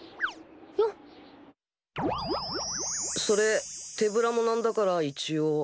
それ手ぶらも何だから一応。